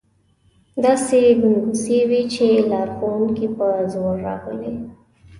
داسې ګنګوسې وې چې لارښوونکي په زور راغلي.